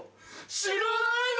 知らないの！？